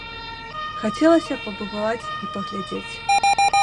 Хацелася б пабываць і паглядзець.